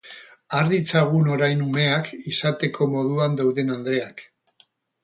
Har ditzagun orain umeak izateko moduan dauden andreak.